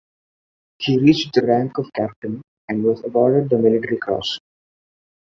He reached the rank of Captain and was awarded the Military Cross.